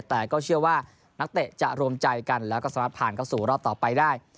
แต่ก็เชื่อว่านักเตะจะรวมใจกันแล้วก็สามารถผ่านเข้าสู่รอบต่อไปได้